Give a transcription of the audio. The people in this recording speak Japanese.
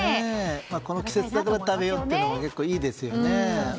この季節だから食べようっていうのもいいですよね。